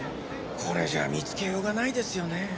これじゃ見つけようがないですよね。